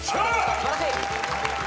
素晴らしい！